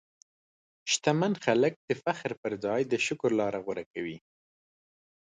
شتمن خلک د فخر پر ځای د شکر لاره غوره کوي.